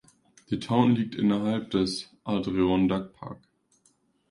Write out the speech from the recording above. Die Town liegt innerhalb des Adirondack Park.